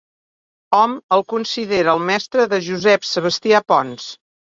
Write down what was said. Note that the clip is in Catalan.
Hom el considera el mestre de Josep Sebastià Pons.